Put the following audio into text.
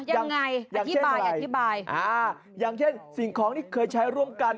อย่างเช่นอะไรอย่างเช่นอย่างเช่นสิ่งของที่เคยใช้ร่วมกัน